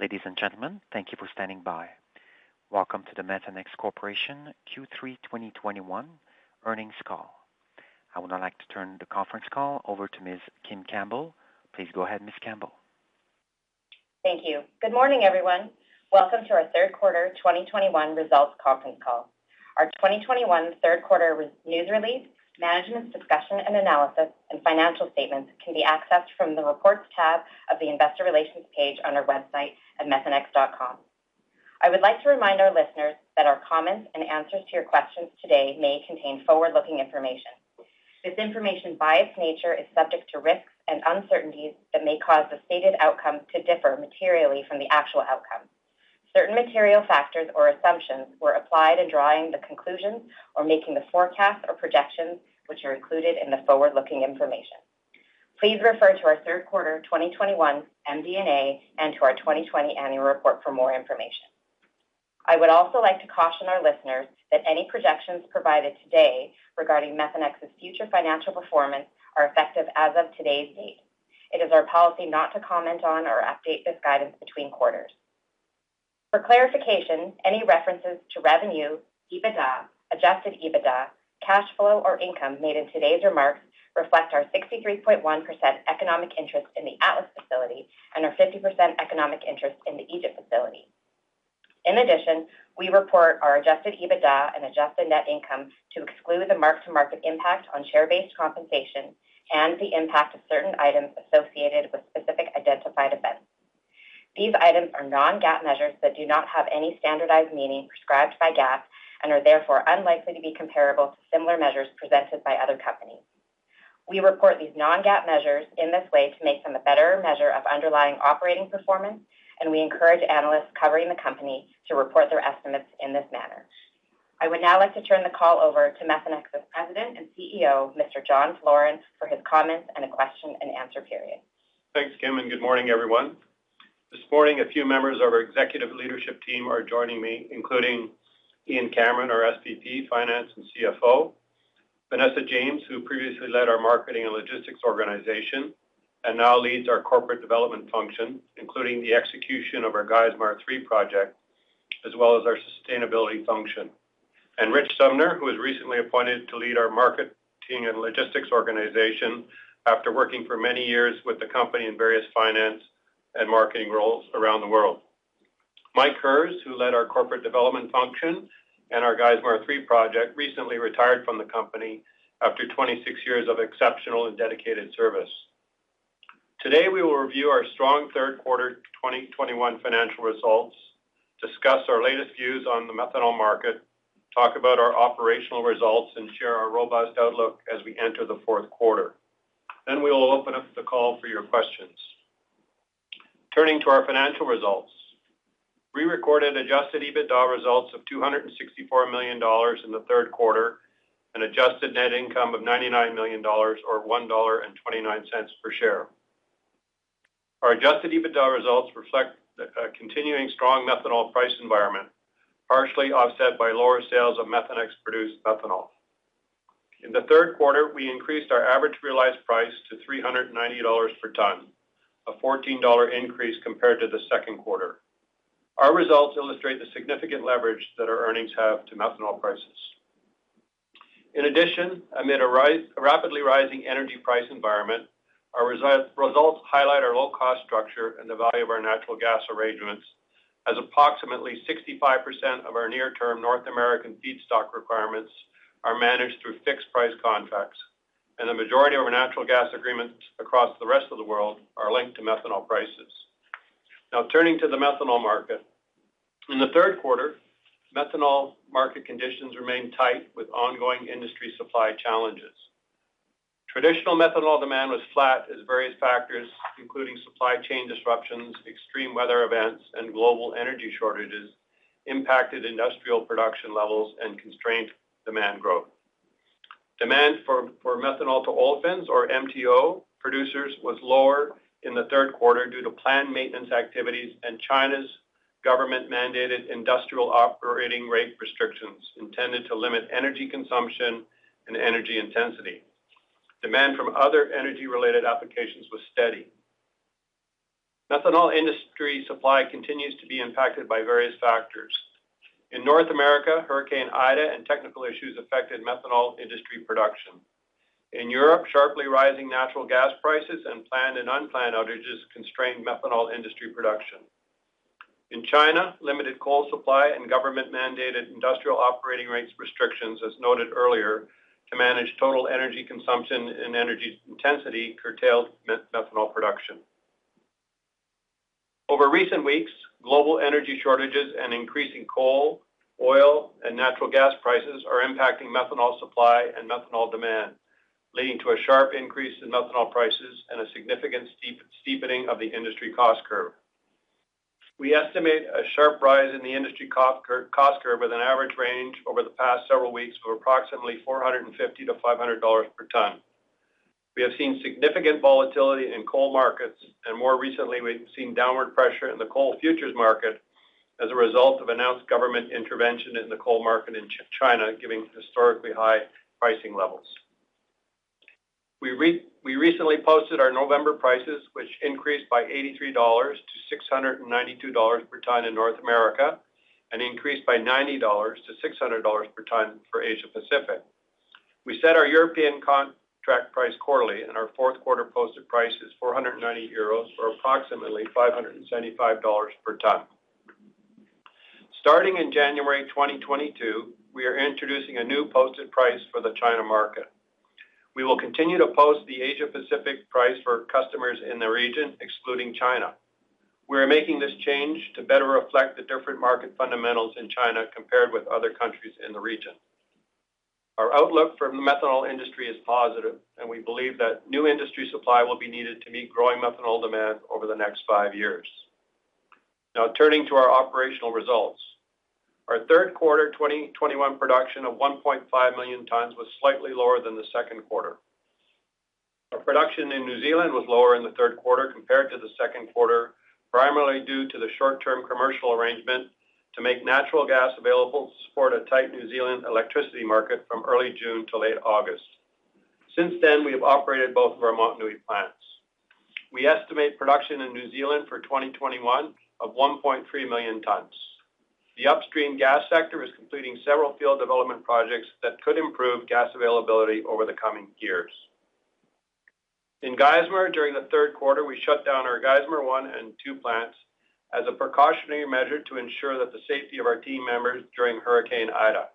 Ladies and gentlemen, thank you for standing by. Welcome to the Methanex Corporation Q3 2021 Earnings Call. I would now like to turn the conference call over to Ms. Kim Campbell. Please go ahead, Ms. Campbell. Thank you. Good morning, everyone. Welcome to our third quarter 2021 results conference call. Our 2021 third quarter news release, management's discussion and analysis, and financial statements can be accessed from the reports tab of the Investor Relations page on our website at methanex.com. I would like to remind our listeners that our comments and answers to your questions today may contain forward-looking information. This information, by its nature, is subject to risks and uncertainties that may cause the stated outcome to differ materially from the actual outcome. Certain material factors or assumptions were applied in drawing the conclusions or making the forecasts or projections which are included in the forward-looking information. Please refer to our third quarter 2021 MD&A and to our 2020 annual report for more information. I would also like to caution our listeners that any projections provided today regarding Methanex's future financial performance are effective as of today's date. It is our policy not to comment on or update this guidance between quarters. For clarification, any references to revenue, EBITDA, adjusted EBITDA, cash flow, or income made in today's remarks reflect our 63.1% economic interest in the Atlas facility and our 50% economic interest in the Egypt facility. In addition, we report our adjusted EBITDA and adjusted net income to exclude the mark-to-market impact on share-based compensation and the impact of certain items associated with specific identified events. These items are non-GAAP measures that do not have any standardized meaning prescribed by GAAP and are therefore unlikely to be comparable to similar measures presented by other companies. We report these non-GAAP measures in this way to make them a better measure of underlying operating performance, and we encourage analysts covering the company to report their estimates in this manner. I would now like to turn the call over to Methanex's President and CEO, Mr. John Floren, for his comments and a question-and-answer period. Thanks, Kim, and good morning, everyone. This morning, a few members of our executive leadership team are joining me, including Ian Cameron, our SVP, Finance and CFO, Vanessa James, who previously led our marketing and logistics organization and now leads our corporate development function, including the execution of our Geismar 3 project as well as our sustainability function, and Rich Sumner, who was recently appointed to lead our marketing and logistics organization after working for many years with the company in various finance and marketing roles around the world. Mike Herz, who led our corporate development function and our Geismar 3 project, recently retired from the company after 26 years of exceptional and dedicated service. Today, we will review our strong third quarter 2021 financial results, discuss our latest views on the methanol market, talk about our operational results, and share our robust outlook as we enter the fourth quarter. We will open up the call for your questions. Turning to our financial results. We recorded adjusted EBITDA results of $264 million in the third quarter and adjusted net income of $99 million or $1.29 per share. Our adjusted EBITDA results reflect a continuing strong methanol price environment, partially offset by lower sales of Methanex-produced methanol. In the third quarter, we increased our average realized price to $390 per ton, a $14 increase compared to the second quarter. Our results illustrate the significant leverage that our earnings have to methanol prices. In addition, amid a rapidly rising energy price environment, our results highlight our low cost structure and the value of our natural gas arrangements as approximately 65% of our near-term North American feedstock requirements are managed through fixed price contracts, and the majority of our natural gas agreements across the rest of the world are linked to methanol prices. Now turning to the methanol market. In the third quarter, methanol market conditions remained tight with ongoing industry supply challenges. Traditional methanol demand was flat as various factors, including supply chain disruptions, extreme weather events, and global energy shortages impacted industrial production levels and constrained demand growth. Demand for methanol to olefins or MTO producers was lower in the third quarter due to planned maintenance activities and China's government-mandated industrial operating rate restrictions intended to limit energy consumption and energy intensity. Demand from other energy-related applications was steady. Methanol industry supply continues to be impacted by various factors. In North America, Hurricane Ida and technical issues affected methanol industry production. In Europe, sharply rising natural gas prices and planned and unplanned outages constrained methanol industry production. In China, limited coal supply and government-mandated industrial operating rates restrictions, as noted earlier, to manage total energy consumption and energy intensity curtailed methanol production. Over recent weeks, global energy shortages and increasing coal, oil, and natural gas prices are impacting methanol supply and methanol demand, leading to a sharp increase in methanol prices and a significant steepening of the industry cost curve. We estimate a sharp rise in the industry cost curve with an average range over the past several weeks of approximately $450-$500 per ton. We have seen significant volatility in coal markets, and more recently we've seen downward pressure in the coal futures market as a result of announced government intervention in the coal market in China, giving historically high pricing levels. We recently posted our November prices, which increased by $83 to $692 per ton in North America, and increased by $90 to $600 per ton for Asia Pacific. We set our European contract price quarterly, and our fourth quarter posted price is 490 euros, or approximately $575 per ton. Starting in January 2022, we are introducing a new posted price for the China market. We will continue to post the Asia Pacific price for customers in the region, excluding China. We are making this change to better reflect the different market fundamentals in China compared with other countries in the region. Our outlook for the methanol industry is positive, and we believe that new industry supply will be needed to meet growing methanol demand over the next five years. Now turning to our operational results. Our third quarter 2021 production of 1.5 million tons was slightly lower than the second quarter. Our production in New Zealand was lower in the third quarter compared to the second quarter, primarily due to the short-term commercial arrangement to make natural gas available to support a tight New Zealand electricity market from early June to late August. Since then, we have operated both of our Motunui plants. We estimate production in New Zealand for 2021 of 1.3 million tons. The upstream gas sector is completing several field development projects that could improve gas availability over the coming years. In Geismar, during the third quarter, we shut down our Geismar 1 and 2 plants as a precautionary measure to ensure that the safety of our team members during Hurricane Ida.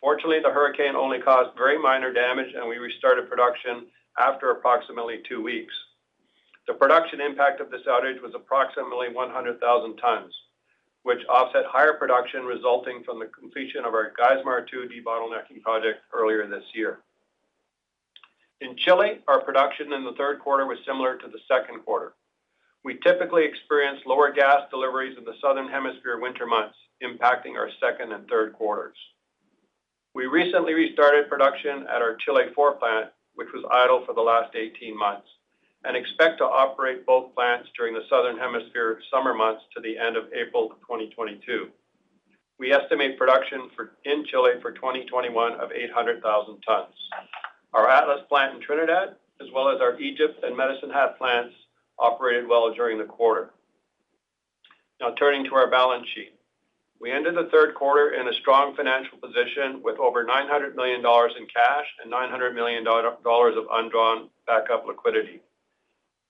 Fortunately, the hurricane only caused very minor damage, and we restarted production after approximately two weeks. The production impact of this outage was approximately 100,000 tons, which offset higher production resulting from the completion of our Geismar 2 debottlenecking project earlier this year. In Chile, our production in the third quarter was similar to the second quarter. We typically experience lower gas deliveries in the Southern Hemisphere winter months, impacting our second and third quarters. We recently restarted production at our Chile four plant, which was idle for the last 18 months, and expect to operate both plants during the Southern Hemisphere summer months to the end of April 2022. We estimate production in Chile for 2021 of 800,000 tons. Our Atlas plant in Trinidad, as well as our Egypt and Medicine Hat plants, operated well during the quarter. Now turning to our balance sheet. We ended the third quarter in a strong financial position with over $900 million in cash and $900 million of undrawn backup liquidity.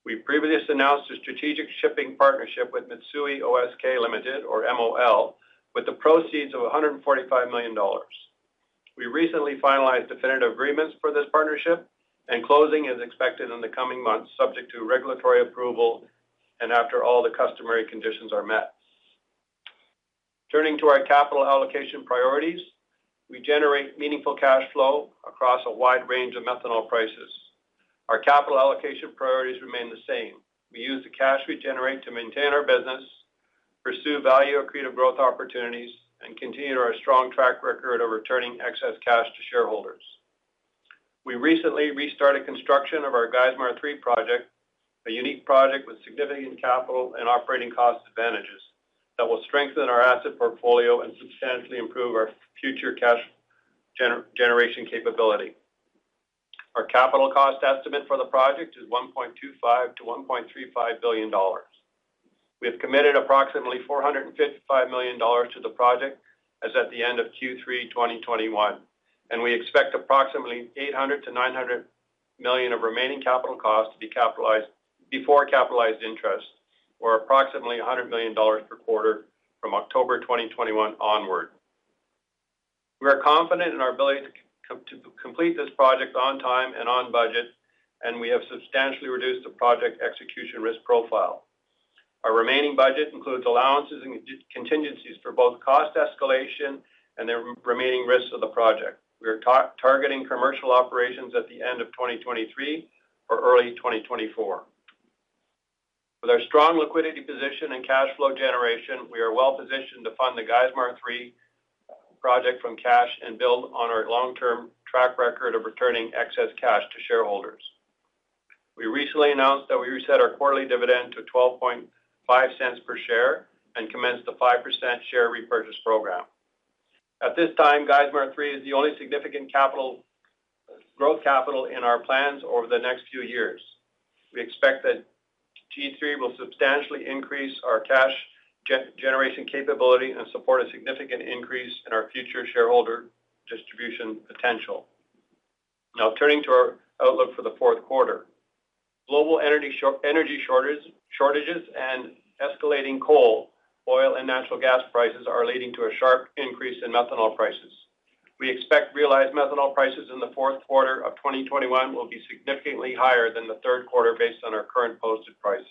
We previously announced a strategic shipping partnership with Mitsui O.S.K. Lines, Ltd. or MOL with the proceeds of $145 million. We recently finalized definitive agreements for this partnership and closing is expected in the coming months subject to regulatory approval and after all the customary conditions are met. Turning to our capital allocation priorities, we generate meaningful cash flow across a wide range of methanol prices. Our capital allocation priorities remain the same. We use the cash we generate to maintain our business, pursue value accretive growth opportunities, and continue our strong track record of returning excess cash to shareholders. We recently restarted construction of our Geismar 3 project, a unique project with significant capital and operating cost advantages that will strengthen our asset portfolio and substantially improve our future cash generation capability. Our capital cost estimate for the project is $1.25 billion-$1.35 billion. We have committed approximately $455 million to the project as at the end of Q3, 2021, and we expect approximately $800 million-$900 million of remaining capital costs to be capitalized before capitalized interest, or approximately $100 million per quarter from October 2021 onward. We are confident in our ability to complete this project on time and on budget, and we have substantially reduced the project execution risk profile. Our remaining budget includes allowances and contingencies for both cost escalation and the remaining risks of the project. We are targeting commercial operations at the end of 2023 or early 2024. With our strong liquidity position and cash flow generation, we are well-positioned to fund the Geismar 3 project from cash and build on our long-term track record of returning excess cash to shareholders. We recently announced that we reset our quarterly dividend to $0.125 per share and commenced the 5% share repurchase program. At this time, Geismar 3 is the only significant growth capital in our plans over the next few years. We expect that G3 will substantially increase our cash generation capability and support a significant increase in our future shareholder distribution potential. Now turning to our outlook for the fourth quarter. Global energy shortages, and escalating coal, oil, and natural gas prices are leading to a sharp increase in methanol prices. We expect realized methanol prices in the fourth quarter of 2021 will be significantly higher than the third quarter based on our current posted prices.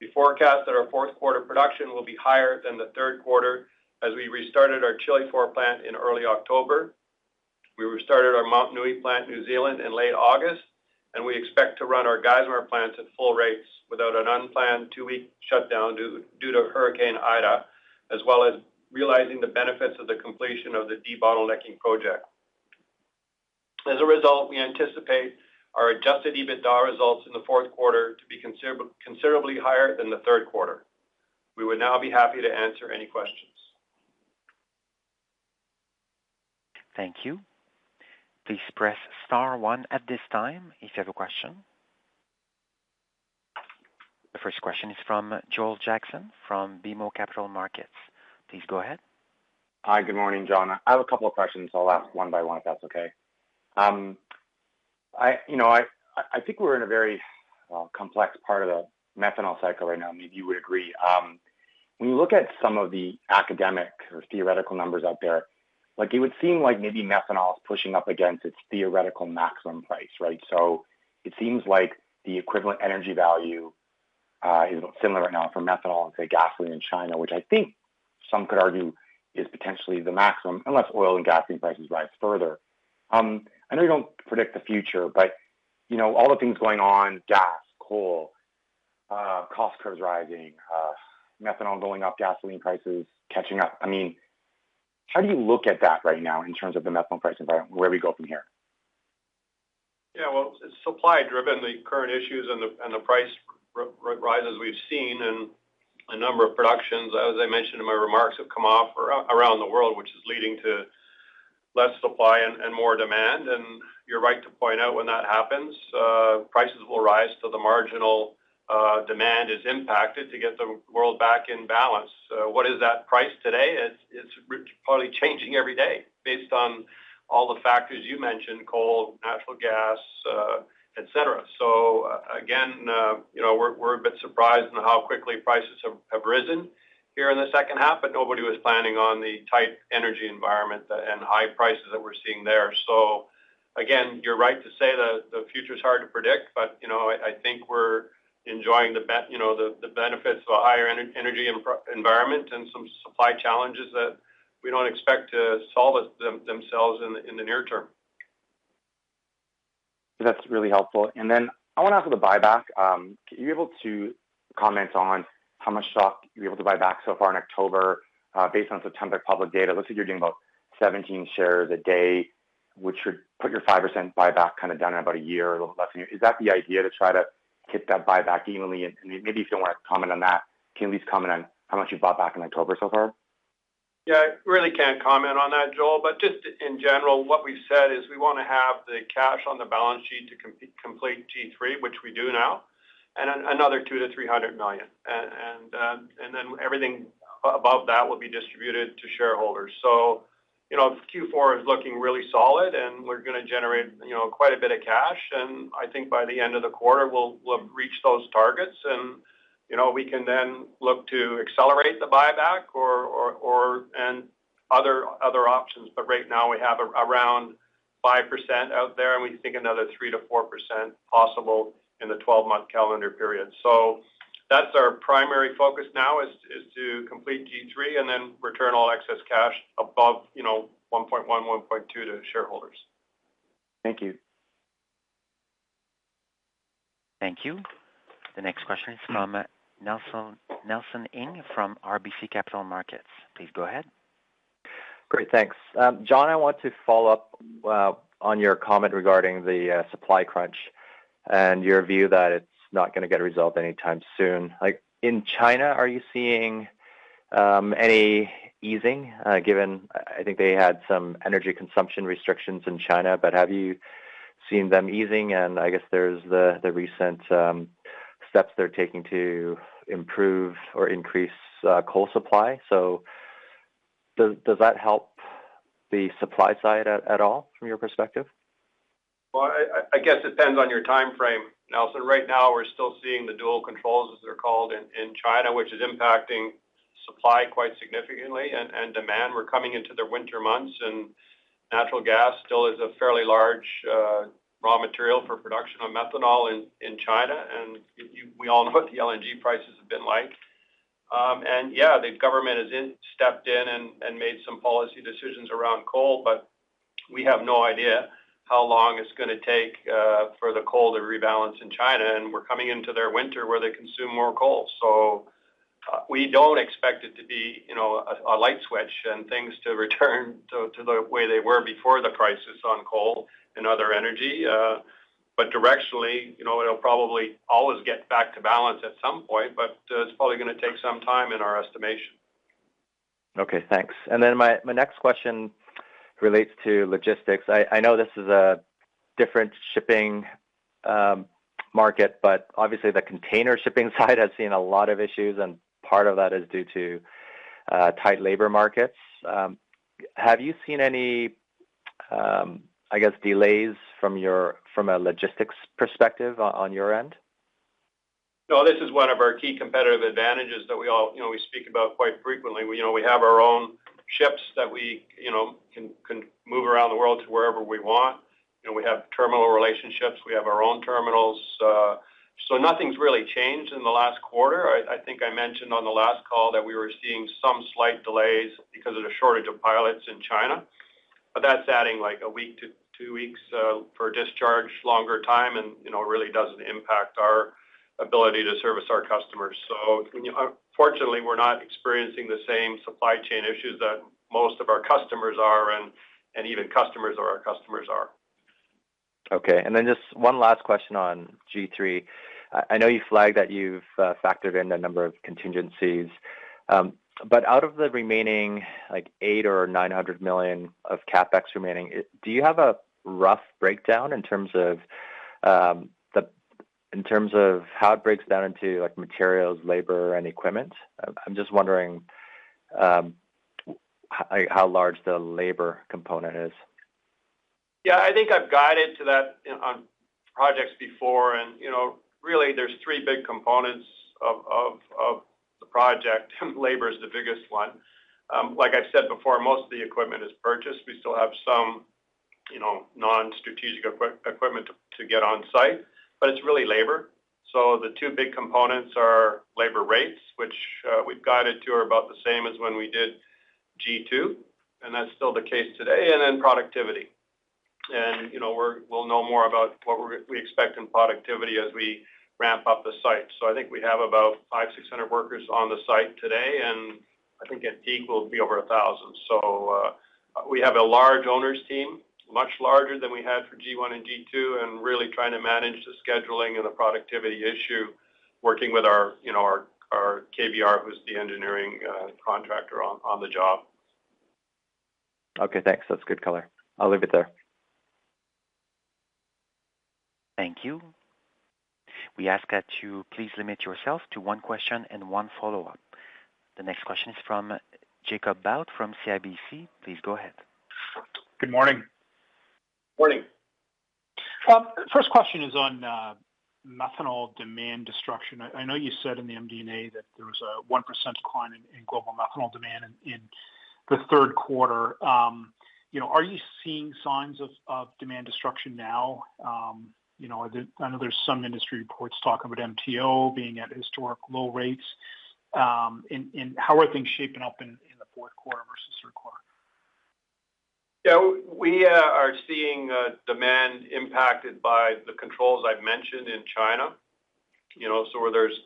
We forecast that our fourth quarter production will be higher than the third quarter as we restarted our Chile four plant in early October. We restarted our Motunui plant, New Zealand, in late August, and we expect to run our Geismar plants at full rates without an unplanned two-week shutdown due to Hurricane Ida, as well as realizing the benefits of the completion of the debottlenecking project. As a result, we anticipate our adjusted EBITDA results in the fourth quarter to be considerably higher than the third quarter. We would now be happy to answer any questions. Thank you. Please press star one at this time if you have a question. The first question is from Joel Jackson from BMO Capital Markets. Please go ahead. Hi, good morning, John. I have a couple of questions I'll ask one by one, if that's okay. You know, I think we're in a very, well, complex part of the methanol cycle right now, maybe you would agree. When you look at some of the academic or theoretical numbers out there, like it would seem like maybe methanol is pushing up against its theoretical maximum price, right? So it seems like the equivalent energy value is similar right now for methanol and say, gasoline in China, which I think some could argue is potentially the maximum unless oil and gasoline prices rise further. I know you don't predict the future, but, you know, all the things going on, gas, coal, cost curves rising, methanol going up, gasoline prices catching up. I mean, how do you look at that right now in terms of the methanol price environment? Where do we go from here? Yeah, well, it's supply driven, the current issues and the price rise as we've seen, and a number of productions, as I mentioned in my remarks, have come off around the world, which is leading to less supply and more demand. You're right to point out when that happens, prices will rise. The marginal demand is impacted to get the world back in balance. What is that price today? It's probably changing every day based on all the factors you mentioned, coal, natural gas, et cetera. Again, you know, we're a bit surprised on how quickly prices have risen here in the second half, but nobody was planning on the tight energy environment and high prices that we're seeing there. Again, you're right to say that the future is hard to predict, but, you know, I think we're enjoying you know, the benefits of a higher energy environment and some supply challenges that we don't expect to solve themselves in the near term. That's really helpful. Then I wanna ask for the buyback. Are you able to comment on how much stock you're able to buy back so far in October, based on September public data? It looks like you're doing about 17 shares a day, which would put your 5% buyback kind of down in about a year, a little less than a year. Is that the idea to try to hit that buyback evenly? Maybe if you don't wanna comment on that, can you at least comment on how much you bought back in October so far? Yeah. I really can't comment on that, Joel. Just in general, what we've said is we wanna have the cash on the balance sheet to complete Q3, which we do now, and another $200 million-$300 million. Then everything above that will be distributed to shareholders. You know, Q4 is looking really solid, and we're gonna generate, you know, quite a bit of cash. I think by the end of the quarter, we'll reach those targets and, you know, we can then look to accelerate the buyback or other options. Right now, we have around 5% out there, and we think another 3%-4% possible in the 12-month calendar period. That's our primary focus now is to complete Q3 and then return all excess cash above, you know, $1.1-$1.2 to shareholders. Thank you. Thank you. The next question is from Nelson Ng from RBC Capital Markets. Please go ahead. Great. Thanks. John, I want to follow up on your comment regarding the supply crunch and your view that it's not gonna get resolved anytime soon. Like, in China, are you seeing any easing given I think they had some energy consumption restrictions in China, but have you seen them easing? And I guess there's the recent steps they're taking to improve or increase coal supply. So does that help the supply side at all from your perspective? Well, I guess it depends on your timeframe, Nelson. Right now, we're still seeing the dual controls, as they're called in China, which is impacting supply quite significantly and demand. We're coming into their winter months, and natural gas still is a fairly large raw material for production of methanol in China. And we all know what the LNG prices have been like. And yeah, the government has stepped in and made some policy decisions around coal, but we have no idea how long it's gonna take for the coal to rebalance in China. And we're coming into their winter where they consume more coal. So we don't expect it to be, you know, a light switch and things to return to the way they were before the crisis on coal and other energy. Directionally, you know, it'll probably always get back to balance at some point, but it's probably gonna take some time in our estimation. Okay, thanks. My next question relates to logistics. I know this is a different shipping market, but obviously the container shipping side has seen a lot of issues, and part of that is due to tight labor markets. Have you seen any, I guess, delays from a logistics perspective on your end? No, this is one of our key competitive advantages that we all, you know, we speak about quite frequently. You know, we have our own ships that we, you know, can move around the world to wherever we want. You know, we have terminal relationships, we have our own terminals. Nothing's really changed in the last quarter. I think I mentioned on the last call that we were seeing some slight delays because of the shortage of pilots in China, but that's adding like a week to two weeks for discharge, longer time, and, you know, really doesn't impact our ability to service our customers. Fortunately, we're not experiencing the same supply chain issues that most of our customers are and even customers of our customers are. Okay. Just one last question on G3. I know you flagged that you've factored in a number of contingencies. But out of the remaining like $800 million-$900 million of CapEx remaining, do you have a rough breakdown in terms of in terms of how it breaks down into like materials, labor, and equipment? I'm just wondering like how large the labor component is. Yeah. I think I've guided to that on projects before and, you know, really there's three big components of the project, and labor is the biggest one. Like I said before, most of the equipment is purchased. We still have some, you know, non-strategic equipment to get on site, but it's really labor. The two big components are labor rates, which we've guided to are about the same as when we did G2, and that's still the case today, and then productivity. You know, we'll know more about what we expect in productivity as we ramp up the site. I think we have about 500-600 workers on the site today, and I think at peak will be over 1,000. We have a large owners team, much larger than we had for G1 and G2, and really trying to manage the scheduling and the productivity issue, working with our you know KBR, who's the engineering contractor on the job. Okay, thanks. That's good color. I'll leave it there. Thank you. We ask that you please limit yourself to one question and one follow-up. The next question is from Jacob Bout from CIBC. Please go ahead. Good morning. Morning. First question is on methanol demand destruction. I know you said in the MD&A that there was a 1% decline in global methanol demand in the third quarter. You know, are you seeing signs of demand destruction now? You know, I know there's some industry reports talking about MTO being at historic low rates. And how are things shaping up in the fourth quarter versus third quarter? Yeah. We are seeing demand impacted by the controls I've mentioned in China. You know, so where there's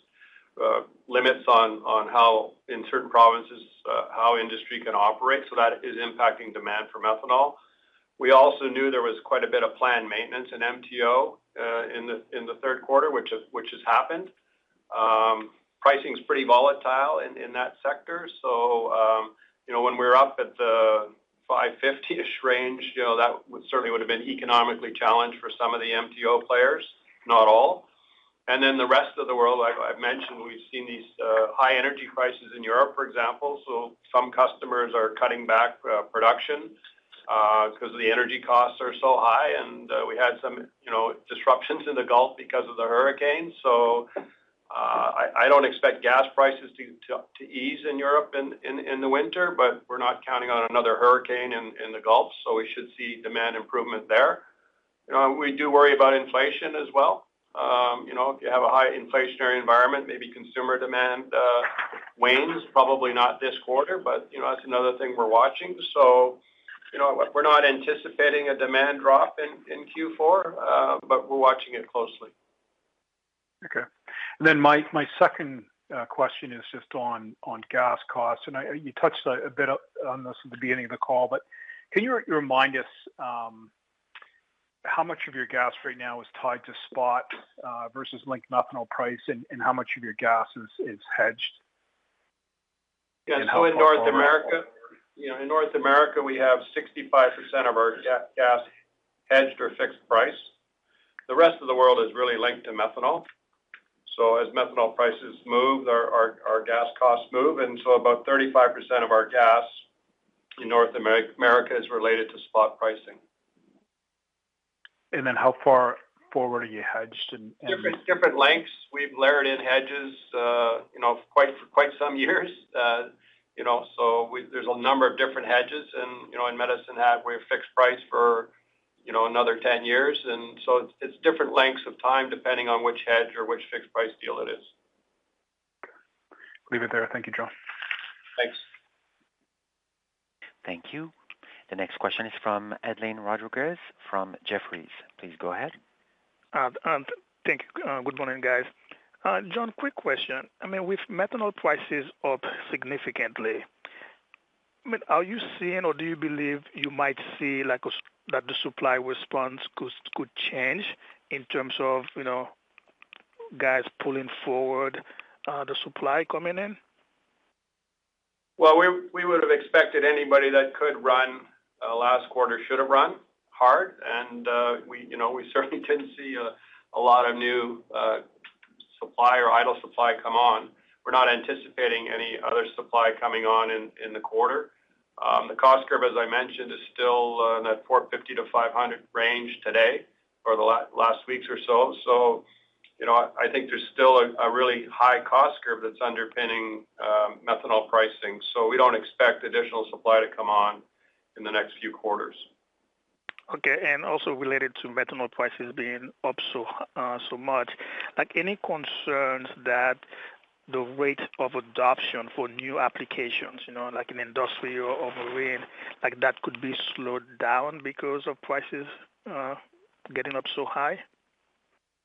limits on how in certain provinces how industry can operate, so that is impacting demand for methanol. We also knew there was quite a bit of planned maintenance in MTO in the third quarter, which has happened. Pricing is pretty volatile in that sector. You know, when we're up at the 550-ish range, you know, that certainly would have been economically challenged for some of the MTO players, not all. The rest of the world, like I've mentioned, we've seen these high energy prices in Europe, for example. Some customers are cutting back production because the energy costs are so high. We had some, you know, disruptions in the Gulf because of the hurricane. I don't expect gas prices to ease in Europe in the winter, but we're not counting on another hurricane in the Gulf, so we should see demand improvement there. You know, we do worry about inflation as well. You know, if you have a high inflationary environment, maybe consumer demand wanes, probably not this quarter, but, you know, that's another thing we're watching. You know, we're not anticipating a demand drop in Q4, but we're watching it closely. Okay. My second question is just on gas costs. You touched a bit on this at the beginning of the call, but can you remind us how much of your gas right now is tied to spot versus linked methanol price and how much of your gas is hedged? In North America, you know, in North America, we have 65% of our gas hedged or fixed price. The rest of the world is really linked to methanol. As methanol prices move, our gas costs move. About 35% of our gas in North America is related to spot pricing. How far forward are you hedged? Different lengths. We've layered in hedges, you know, for quite some years. You know, there's a number of different hedges and, you know, in Medicine Hat, we have fixed price for, you know, another 10 years. It's different lengths of time depending on which hedge or which fixed price deal it is. Leave it there. Thank you, John. Thanks. Thank you. The next question is from Edlain Rodriguez from Jefferies. Please go ahead. Thank you. Good morning, guys. John, quick question. I mean, with methanol prices up significantly, I mean, are you seeing or do you believe you might see that the supply response could change in terms of, you know, guys pulling forward the supply coming in? We would have expected anybody that could run last quarter should have run hard. You know, we certainly didn't see a lot of new supply or idle supply come on. We're not anticipating any other supply coming on in the quarter. The cost curve, as I mentioned, is still in that $450-$500 range today for the last weeks or so. You know, I think there's still a really high cost curve that's underpinning methanol pricing. We don't expect additional supply to come on in the next few quarters. Okay. Also related to methanol prices being up so much, like, any concerns that the rate of adoption for new applications, you know, like in industrial or marine, like that could be slowed down because of prices, getting up so high?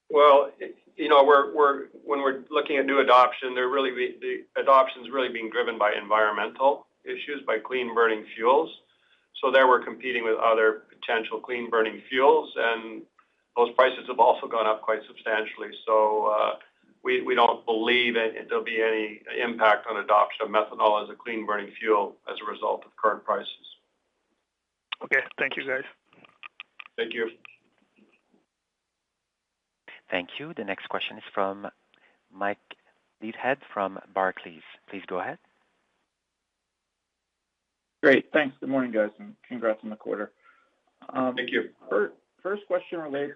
Well, you know, when we're looking at new adoption is really being driven by environmental issues, by clean burning fuels. There we're competing with other potential clean burning fuels, and those prices have also gone up quite substantially. We don't believe there'll be any impact on adoption of methanol as a clean burning fuel as a result of current prices. Okay. Thank you, guys. Thank you. Thank you. The next question is from Mike Leithead from Barclays. Please go ahead. Great. Thanks. Good morning, guys, and congrats on the quarter. Thank you. First question related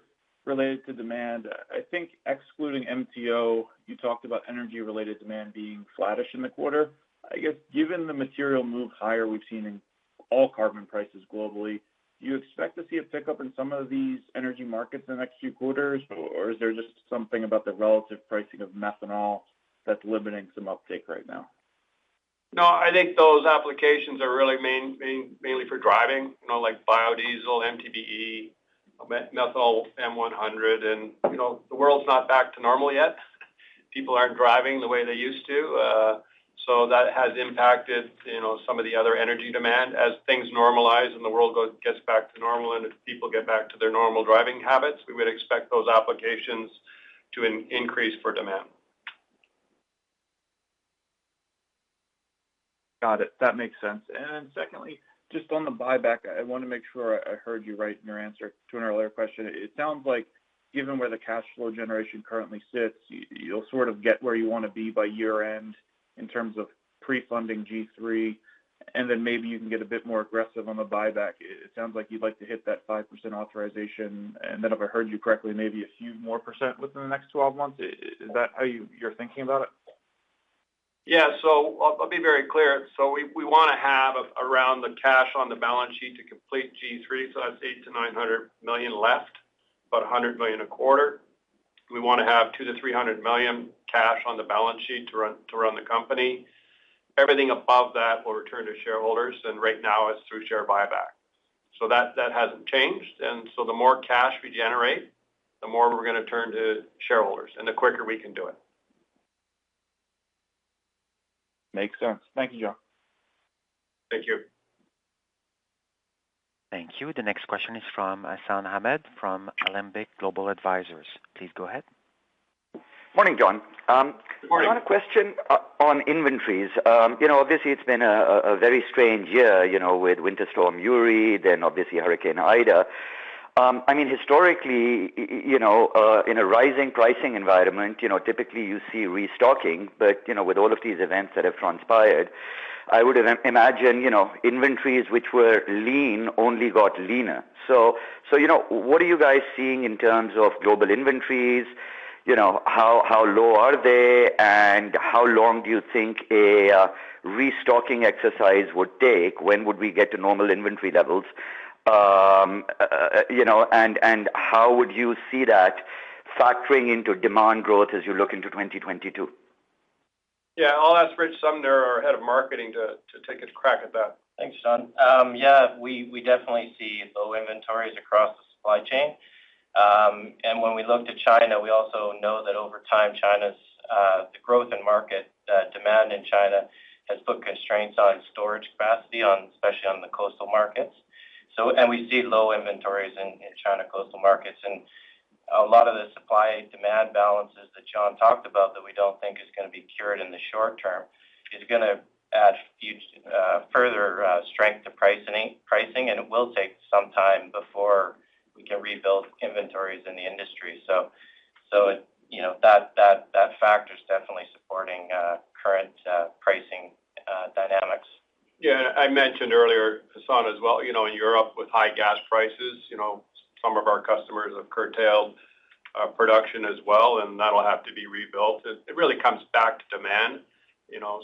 to demand. I think excluding MTO, you talked about energy-related demand being flattish in the quarter. I guess given the material move higher we've seen in oil and carbon prices globally, do you expect to see a pickup in some of these energy markets in the next few quarters? Or is there just something about the relative pricing of methanol that's limiting some uptake right now? No, I think those applications are really mainly for driving, you know, like biodiesel, MTBE, methanol M100. You know, the world's not back to normal yet. People aren't driving the way they used to. So that has impacted, you know, some of the other energy demand. As things normalize and the world gets back to normal, and people get back to their normal driving habits, we would expect those applications to increase in demand. Got it. That makes sense. Secondly, just on the buyback, I want to make sure I heard you right in your answer to an earlier question. It sounds like given where the cash flow generation currently sits, you'll sort of get where you want to be by year-end in terms of pre-funding G3, and then maybe you can get a bit more aggressive on the buyback. It sounds like you'd like to hit that 5% authorization. And then if I heard you correctly, maybe a few more percent within the next 12 months. Is that how you're thinking about it? Yeah. I'll be very clear. We wanna have around the cash on the balance sheet to complete G3, so that's $800 million-$900 million left, about $100 million a quarter. We wanna have $200 million-$300 million cash on the balance sheet to run the company. Everything above that will return to shareholders, and right now it's through share buyback. That hasn't changed. The more cash we generate, the more we're gonna return to shareholders and the quicker we can do it. Makes sense. Thank you, John. Thank you. Thank you. The next question is from Hassan Ahmed from Alembic Global Advisors. Please go ahead. Morning, John. Morning. I got a question on inventories. You know, obviously it's been a very strange year, you know, with Winter Storm Uri, then obviously Hurricane Ida. I mean, historically, you know, in a rising pricing environment, you know, typically you see restocking. But, you know, with all of these events that have transpired, I would imagine, you know, inventories which were lean only got leaner. So, you know, what are you guys seeing in terms of global inventories? You know, how low are they? And how long do you think a restocking exercise would take? When would we get to normal inventory levels? And how would you see that factoring into demand growth as you look into 2022? Yeah. I'll ask Rich Sumner, our head of marketing, to take a crack at that. Thanks, John. Yeah, we definitely see low inventories across the supply chain. When we look to China, we also know that over time, China's the growth in market demand in China has put constraints on storage capacity especially on the coastal markets. We see low inventories in China coastal markets. A lot of the supply-demand balances that John talked about that we don't think is gonna be cured in the short term is gonna add huge further strength to pricing, and it will take some time before we can rebuild inventories in the industry. You know, that factor is definitely supporting current pricing dynamics. Yeah. I mentioned earlier, Hassan, as well, you know, in Europe with high gas prices, you know, some of our customers have curtailed production as well, and that'll have to be rebuilt. It really comes back to demand, you know.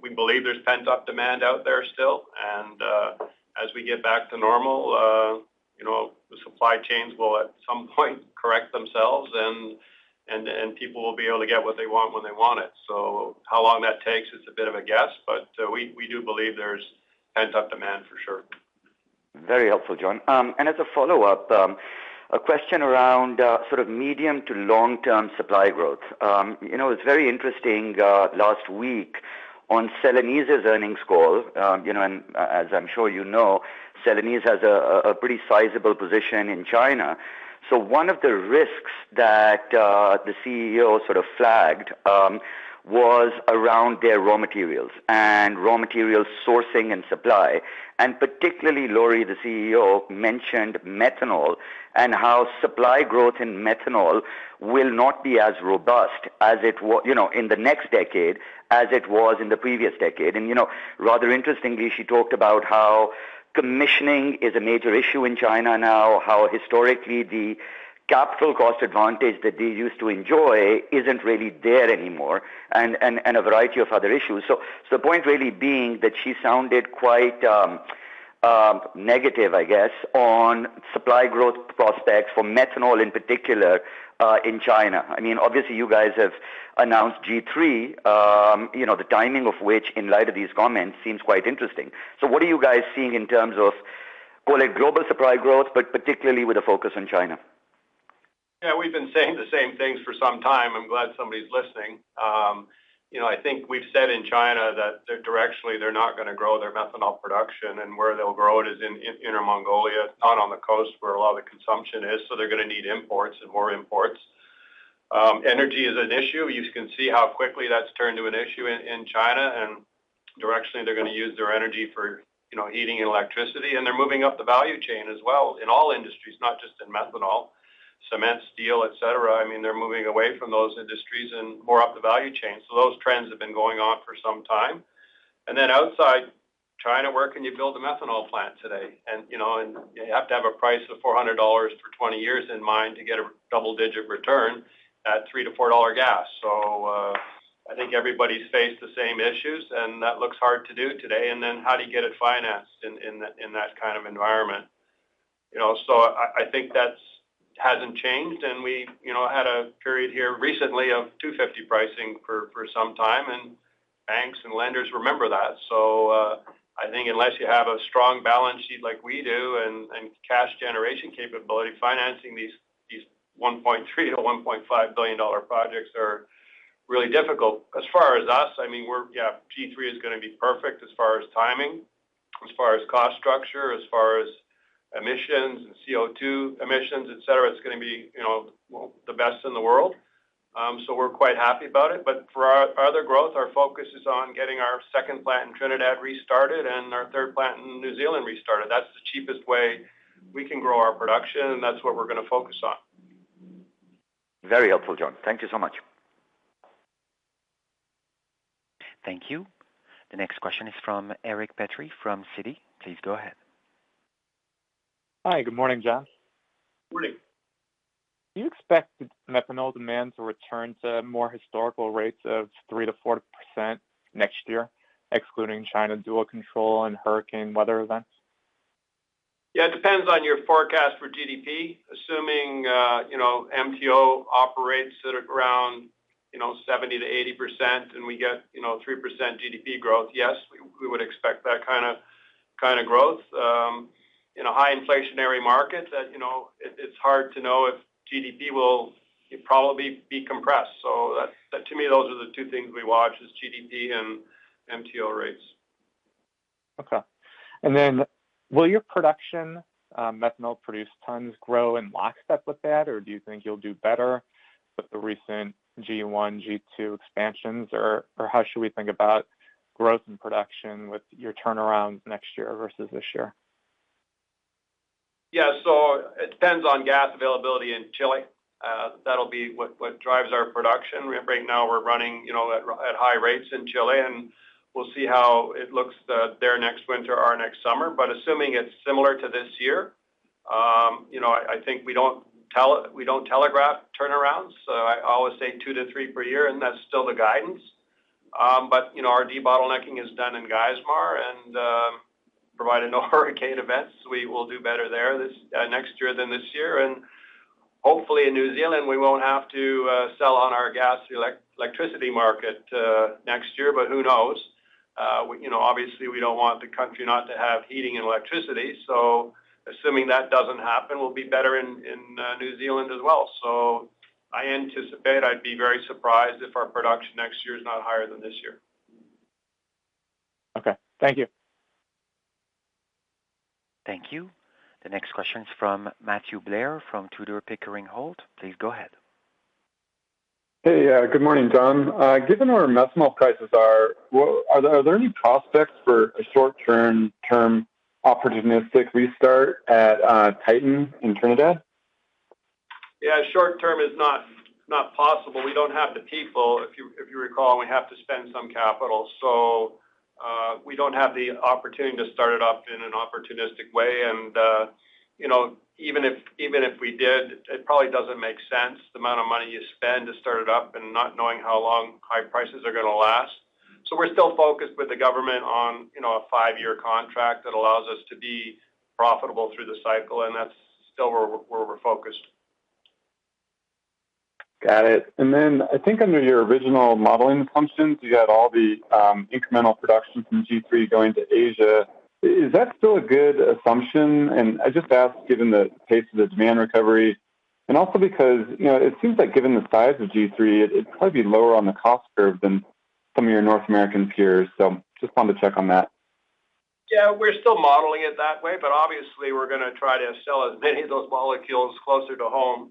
We believe there's pent-up demand out there still. As we get back to normal, you know, the supply chains will at some point correct themselves and people will be able to get what they want when they want it. How long that takes is a bit of a guess, but we do believe there's pent-up demand for sure. Very helpful, John. As a follow-up, a question around sort of medium to long-term supply growth. You know, it's very interesting, last week on Celanese's earnings call, you know, as I'm sure you know, Celanese has a pretty sizable position in China. So one of the risks that the CEO sort of flagged was around their raw materials and raw material sourcing and supply. Particularly, Lori, the CEO, mentioned methanol and how supply growth in methanol will not be as robust as it was, you know, in the next decade, as it was in the previous decade. You know, rather interestingly, she talked about how commissioning is a major issue in China now, how historically the capital cost advantage that they used to enjoy isn't really there anymore, and a variety of other issues. Point really being that she sounded quite negative, I guess, on supply growth prospects for methanol in particular, in China. I mean, obviously, you guys have announced G3, the timing of which in light of these comments seems quite interesting. What are you guys seeing in terms of, call it global supply growth, but particularly with a focus on China? Yeah, we've been saying the same things for some time. I'm glad somebody's listening. You know, I think we've said in China that they're directionally not gonna grow their methanol production, and where they'll grow it is in inner Mongolia, not on the coast where a lot of the consumption is. They're gonna need imports and more imports. Energy is an issue. You can see how quickly that's turned to an issue in China, and directionally they're gonna use their energy for, you know, heating and electricity. They're moving up the value chain as well in all industries, not just in methanol, cement, steel, et cetera. I mean, they're moving away from those industries and more up the value chain. Those trends have been going on for some time. Then outside China, where can you build a methanol plant today? You know, and you have to have a price of $400 for 20 years in mind to get a double-digit return at $3-$4 gas. I think everybody's faced the same issues, and that looks hard to do today. How do you get it financed in that kind of environment? You know, I think that hasn't changed. We, you know, had a period here recently of $250 pricing for some time, and banks and lenders remember that. I think unless you have a strong balance sheet like we do and cash generation capability, financing these $1.3 billion-$1.5 billion projects is really difficult. As far as us, I mean, we're G3 is gonna be perfect as far as timing, as far as cost structure, as far as emissions and CO2 emissions, et cetera. It's gonna be, you know, the best in the world. We're quite happy about it. For our other growth, our focus is on getting our second plant in Trinidad restarted and our third plant in New Zealand restarted. That's the cheapest way we can grow our production, and that's what we're gonna focus on. Very helpful, John. Thank you so much. Thank you. The next question is from Eric Petrie from Citi. Please go ahead. Hi. Good morning, John. Morning. Do you expect methanol demand to return to more historical rates of 3%-4% next year, excluding China dual control and hurricane weather events? Yeah, it depends on your forecast for GDP. Assuming, you know, MTO operates at around, you know, 70%-80% and we get, you know, 3% GDP growth, yes, we would expect that kinda growth. In a high inflationary market, it's hard to know if GDP will probably be compressed. To me, those are the two things we watch is GDP and MTO rates. Okay. Will your production, methanol produced tons grow in lockstep with that, or do you think you'll do better with the recent G1, G2 expansions? Or how should we think about growth in production with your turnaround next year versus this year? Yeah. It depends on gas availability in Chile. That'll be what drives our production. Right now we're running, you know, at high rates in Chile, and we'll see how it looks there next winter or next summer. Assuming it's similar to this year, you know, I think we don't telegraph turnarounds. I always say two to three per year, and that's still the guidance. But, you know, our debottlenecking is done in Geismar, and, provided no hurricane events, we will do better there this next year than this year. Hopefully in New Zealand, we won't have to sell on our gas electricity market next year, but who knows? you know, obviously, we don't want the country not to have heating and electricity, so assuming that doesn't happen, we'll be better in New Zealand as well. I anticipate I'd be very surprised if our production next year is not higher than this year. Okay. Thank you. Thank you. The next question is from Matthew Blair from Tudor, Pickering, Holt & Co. Please go ahead. Hey. Good morning, John. Given where methanol prices are there any prospects for a short-term, term opportunistic restart at Titan in Trinidad? Yeah, short term is not possible. We don't have the people. If you recall, we have to spend some capital. We don't have the opportunity to start it up in an opportunistic way. You know, even if we did, it probably doesn't make sense, the amount of money you spend to start it up and not knowing how long high prices are gonna last. We're still focused with the government on, you know, a five-year contract that allows us to be profitable through the cycle, and that's still where we're focused. Got it. Then I think under your original modeling assumptions, you had all the incremental production from G3 going to Asia. Is that still a good assumption? I just ask given the pace of the demand recovery and also because, you know, it seems like given the size of G3, it'd probably be lower on the cost curve than some of your North American peers. Just wanted to check on that. Yeah, we're still modeling it that way, but obviously we're gonna try to sell as many of those molecules closer to home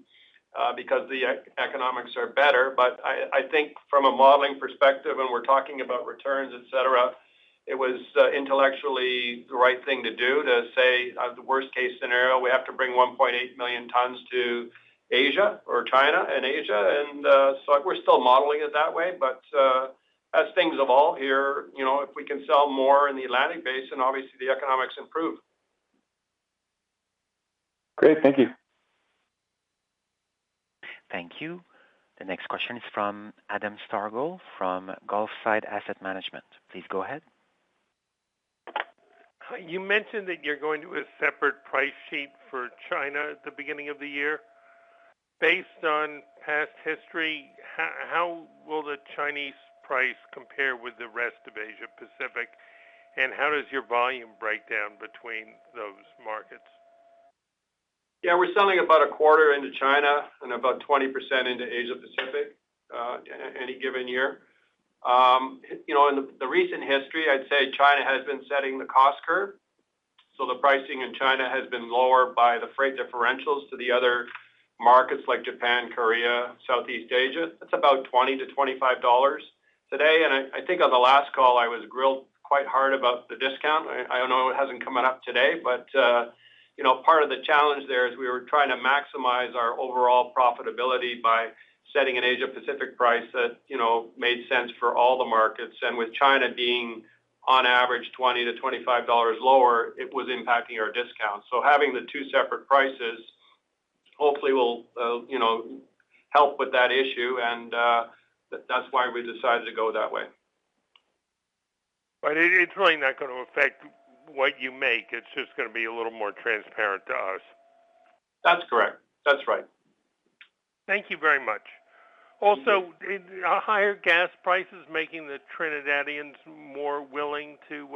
because the economics are better. I think from a modeling perspective, when we're talking about returns, et cetera, it was intellectually the right thing to do to say the worst case scenario, we have to bring 1.8 million tons to Asia or China and Asia. We're still modeling it that way. As things evolve here, you know, if we can sell more in the Atlantic Basin, obviously the economics improve. Great. Thank you. Thank you. The next question is from Adam Starr from Gulfside Asset Management. Please go ahead. You mentioned that you're going to a separate price sheet for China at the beginning of the year. Based on past history, how will the Chinese price compare with the rest of Asia Pacific? How does your volume break down between those markets? Yeah, we're selling about a quarter into China and about 20% into Asia-Pacific in any given year. You know, in the recent history, I'd say China has been setting the cost curve. The pricing in China has been lower by the freight differentials to the other markets like Japan, Korea, Southeast Asia. That's about $20-$25 today. I think on the last call, I was grilled quite hard about the discount. I don't know. It hasn't come up today, but you know, part of the challenge there is we were trying to maximize our overall profitability by setting an Asia-Pacific price that you know, made sense for all the markets. With China being on average $20-$25 lower, it was impacting our discount. Having the two separate prices hopefully will, you know, help with that issue, and that's why we decided to go that way. It's really not gonna affect what you make. It's just gonna be a little more transparent to us. That's correct. That's right. Thank you very much. Also, are higher gas prices making the Trinidadians more willing to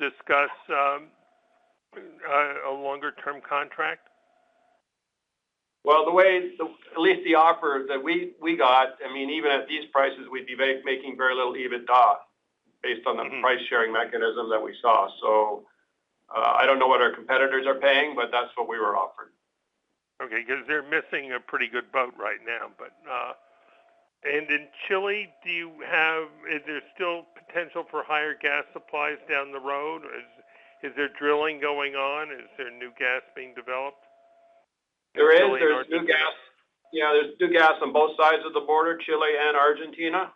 discuss a longer term contract? Well, at least the offers that we got, I mean, even at these prices, we'd be making very little EBITDA based on the price-sharing mechanism that we saw. I don't know what our competitors are paying, but that's what we were offered. Okay, 'cause they're missing a pretty good boat right now, but in Chile, is there still potential for higher gas supplies down the road? Is there drilling going on? Is there new gas being developed? There is. There's new gas. Yeah, there's new gas on both sides of the border, Chile and Argentina.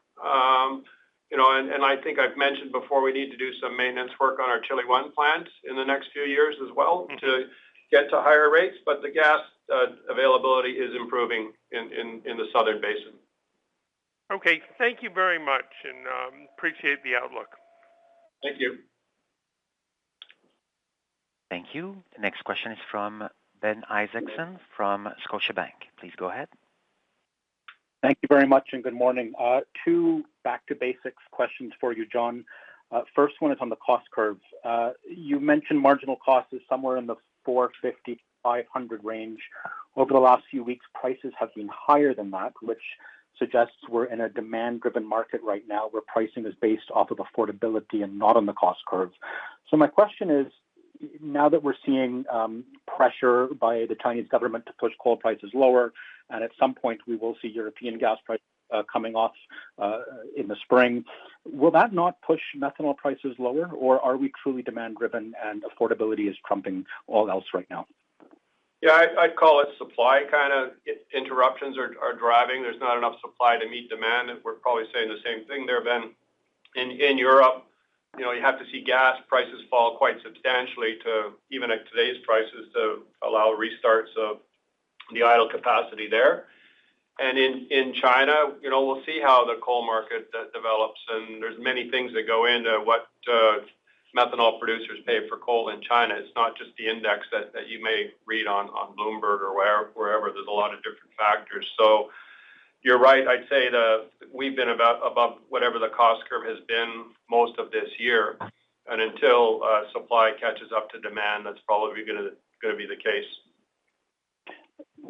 I think I've mentioned before, we need to do some maintenance work on our Chilean plant in the next few years as well to get to higher rates. The gas availability is improving in the Southern Basin. Okay. Thank you very much, and I appreciate the outlook. Thank you. Thank you. The next question is from Ben Isaacson from Scotiabank. Please go ahead. Thank you very much, and good morning. Two back to basics questions for you, John. First one is on the cost curves. You mentioned marginal cost is somewhere in the $450-$500 range. Over the last few weeks, prices have been higher than that, which suggests we're in a demand-driven market right now, where pricing is based off of affordability and not on the cost curves. My question is, now that we're seeing pressure by the Chinese government to push coal prices lower, and at some point, we will see European gas prices coming off in the spring. Will that not push methanol prices lower, or are we truly demand-driven, and affordability is trumping all else right now? Yeah, I'd call it supply kind of interruptions are driving. There's not enough supply to meet demand. We're probably saying the same thing there, Ben. In Europe, you know, you have to see gas prices fall quite substantially to even at today's prices, to allow restarts of the idle capacity there. And in China, you know, we'll see how the coal market de-develops, and there's many things that go into what methanol producers pay for coal in China. It's not just the index that you may read on Bloomberg or wherever. There's a lot of different factors. So you're right. I'd say we've been about above whatever the cost curve has been most of this year. And until supply catches up to demand, that's probably gonna be the case.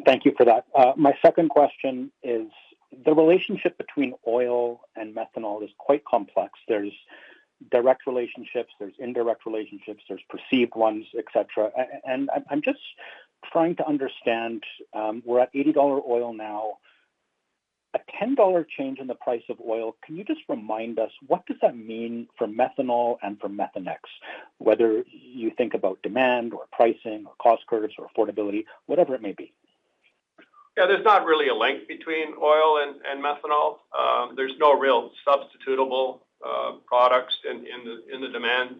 Thank you for that. My second question is, the relationship between oil and methanol is quite complex. There's direct relationships, there's indirect relationships, there's perceived ones, et cetera. And I'm just trying to understand, we're at $80 oil now. A $10 change in the price of oil, can you just remind us what does that mean for methanol and for Methanex? Whether you think about demand or pricing or cost curves or affordability, whatever it may be. Yeah, there's not really a link between oil and methanol. There's no real substitutable products in the demand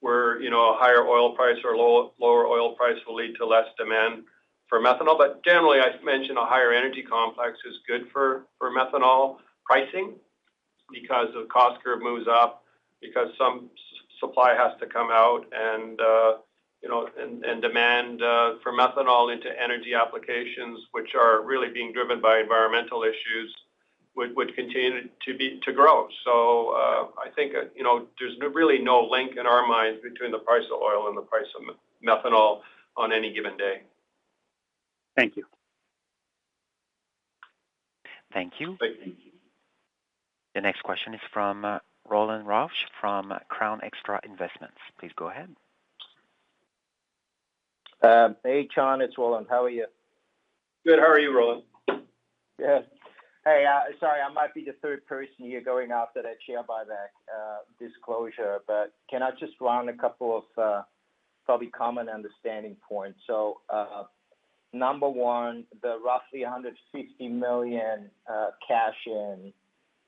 where, you know, a higher oil price or lower oil price will lead to less demand for methanol. Generally, I'd mention a higher energy complex is good for methanol pricing because the cost curve moves up because some supply has to come out and, you know, and demand for methanol into energy applications, which are really being driven by environmental issues, would continue to grow. I think, you know, there's really no link in our minds between the price of oil and the price of methanol on any given day. Thank you. Thank you. Thank you. The next question is from Roland Rausch from Crown Extra Investments. Please go ahead. Hey, John, it's Roland. How are you? Good. How are you, Roland? Good. Hey, sorry, I might be the third person here going after that share buyback disclosure, but can I just run a couple of probably common understanding points? Number one, the roughly $150 million cash in,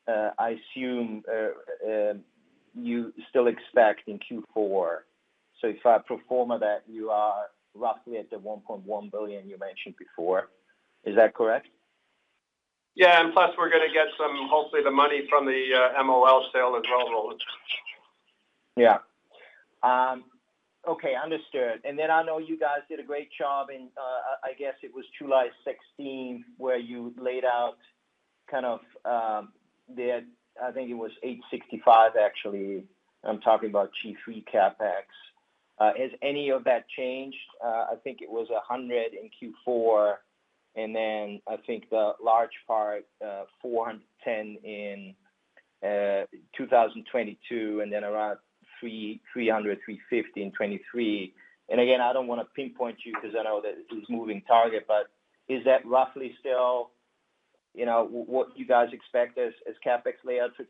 I assume, you still expect in Q4. If I pro forma that, you are roughly at the $1.1 billion you mentioned before. Is that correct? Yeah. Plus, we're gonna get some, hopefully, the money from the MOL sale as well, Roland. Okay, understood. I know you guys did a great job in, I guess it was July 2016, where you laid out kind of, I think it was $865 million, actually. I'm talking about G3 CapEx. Has any of that changed? I think it was $100 million in Q4, and then I think the large part, $410 million in 2022, and then around $300-$350 million in 2023. I don't wanna pinpoint you 'cause I know that it's a moving target, but is that roughly still, you know, what you guys expect as CapEx layout for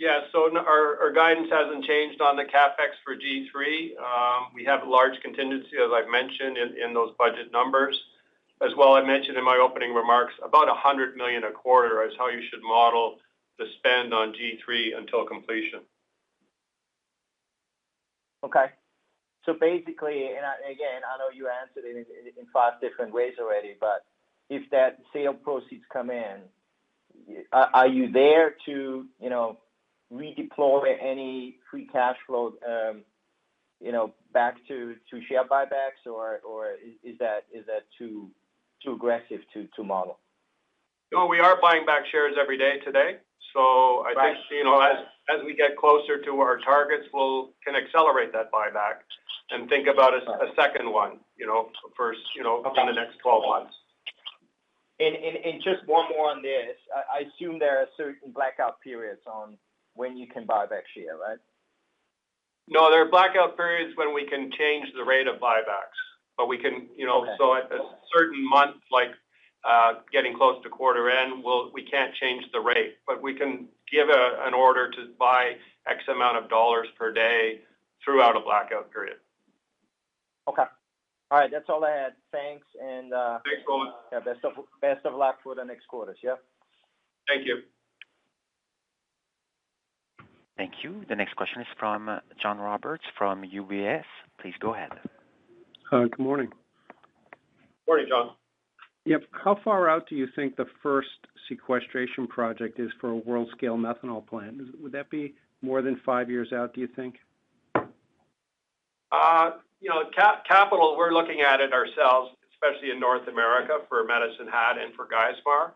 G3? Our guidance hasn't changed on the CapEx for G3. We have a large contingency, as I've mentioned in those budget numbers. As well, I mentioned in my opening remarks, about $100 million a quarter is how you should model the spend on G3 until completion. Okay. Basically, again, I know you answered it in five different ways already, but if that sale proceeds come in, are you there to redeploy any free cash flow, you know, back to share buybacks? Or is that too aggressive to model? No, we are buying back shares every day today. I think. Right. You know, as we get closer to our targets, can accelerate that buyback and think about a second one, you know, first, you know. Okay. In the next 12 months. Just one more on this. I assume there are certain blackout periods on when you can buy back share, right? No, there are blackout periods when we can change the rate of buybacks, but we can, you know. Okay. At a certain month, like, getting close to quarter end, we can't change the rate, but we can give an order to buy X amount of dollars per day throughout a blackout period. Okay. All right. That's all I had. Thanks and, Thanks, Roland. Yeah, best of luck for the next quarters. Yeah. Thank you. Thank you. The next question is from John Roberts from UBS. Please go ahead. Good morning. Morning, John. Yep. How far out do you think the first sequestration project is for a world-scale methanol plant? Would that be more than five years out, do you think? You know, capital, we're looking at it ourselves, especially in North America for Medicine Hat and for Geismar,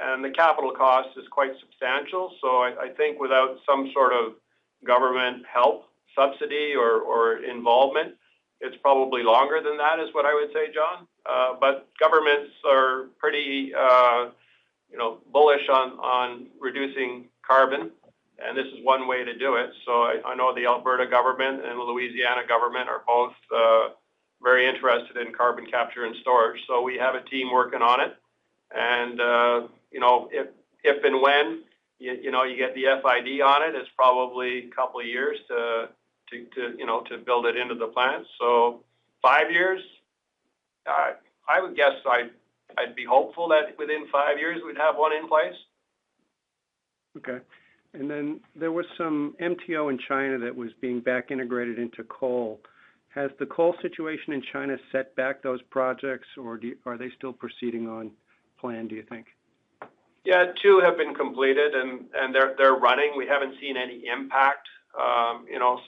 and the capital cost is quite substantial. I think without some sort of government help, subsidy or involvement, it's probably longer than that, is what I would say, John. But governments are pretty, you know, bullish on reducing carbon, and this is one way to do it. I know the Alberta government and the Louisiana government are both very interested in carbon capture and storage. We have a team working on it. You know, if and when you know, you get the FID on it's probably a couple of years, you know, to build it into the plant. Five years? I would guess I'd be hopeful that within five years we'd have one in place. Okay. There was some MTO in China that was being back integrated into coal. Has the coal situation in China set back those projects, or are they still proceeding on plan, do you think? Yeah. Two have been completed and they're running. We haven't seen any impact. You know,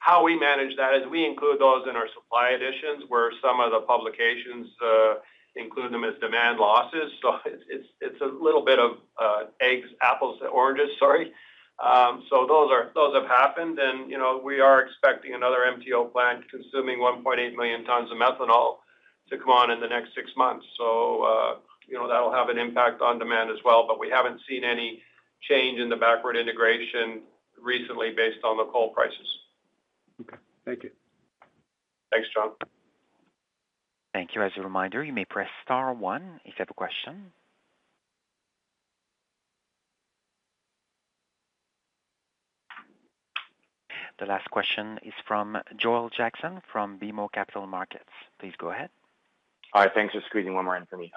how we manage that is we include those in our supply additions where some of the publications include them as demand losses. It's a little bit of apples to oranges. Sorry. Those have happened and, you know, we are expecting another MTO plant consuming 1.8 million tons of methanol to come on in the next six months. You know, that'll have an impact on demand as well, but we haven't seen any change in the backward integration recently based on the coal prices. Okay. Thank you. Thanks, John. Thank you. As a reminder, you may press star one if you have a question. The last question is from Joel Jackson from BMO Capital Markets. Please go ahead. All right. Thanks for squeezing one more in for me.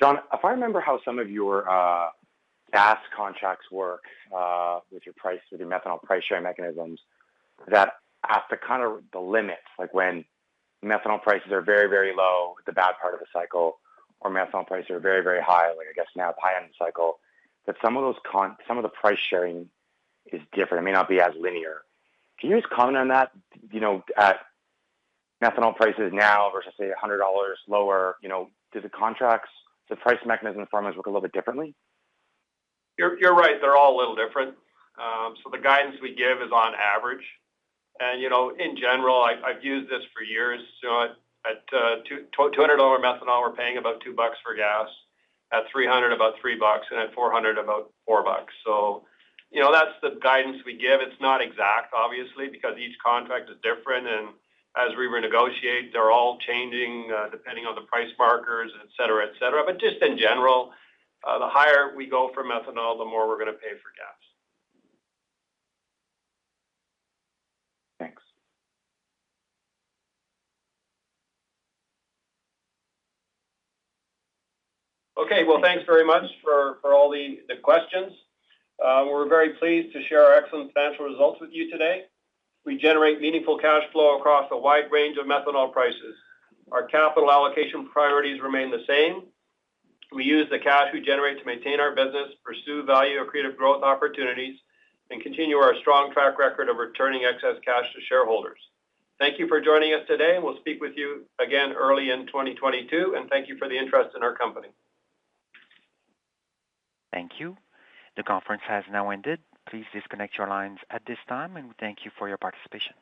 John, if I remember how some of your gas contracts work with your methanol price sharing mechanisms, that has to counter the limit, like when methanol prices are very, very low, the bad part of the cycle, or methanol prices are very, very high, like I guess now, high end cycle, that some of the price sharing is different. It may not be as linear. Can you just comment on that? You know, at methanol prices now versus say $100 lower, you know, do the contracts, the price mechanism formulas work a little bit differently? You're right. They're all a little different. The guidance we give is on average. You know, in general, I've used this for years. At $200 methanol, we're paying about $2 for gas. At $300, about $3, and at $400, about $4. You know, that's the guidance we give. It's not exact, obviously, because each contract is different, and as we renegotiate, they're all changing, depending on the price markers, et cetera, et cetera. Just in general, the higher we go for methanol, the more we're gonna pay for gas. Thanks. Okay. Well, thanks very much for all the questions. We're very pleased to share our excellent financial results with you today. We generate meaningful cash flow across a wide range of methanol prices. Our capital allocation priorities remain the same. We use the cash we generate to maintain our business, pursue value accretive growth opportunities, and continue our strong track record of returning excess cash to shareholders. Thank you for joining us today. We'll speak with you again early in 2022, and thank you for the interest in our company. Thank you. The conference has now ended. Please disconnect your lines at this time, and thank you for your participation.